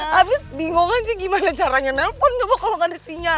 habis bingungan sih gimana caranya telepon dong kalau gak ada sinyal